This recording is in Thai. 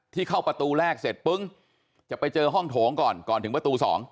เข้าประตูแรกเสร็จปึ้งจะไปเจอห้องโถงก่อนก่อนถึงประตู๒